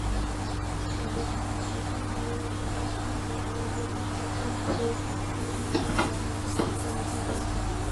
alituma wajumbe kwa kambi ya Wajerumani huko Mpwapwa na kupokelewa na gavana kijerumani